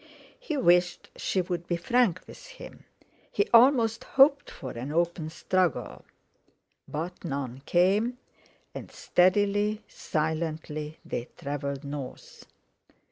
He wished she would be frank with him, he almost hoped for an open struggle. But none came, and steadily, silently, they travelled north.